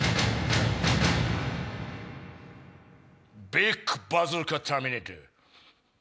ビッグバズーカターミネーター。